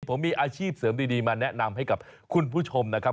ผมมีอาชีพเสริมดีมาแนะนำให้กับคุณผู้ชมนะครับ